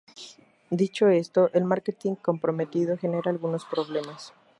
Dicho esto, el marketing comprometido genera algunos problemas.